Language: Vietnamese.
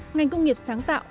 ngành công nghiệp sáng tạo